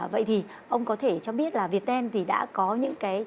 vậy thì ông có thể cho biết là viettel thì đã có những cái truyền hình mạng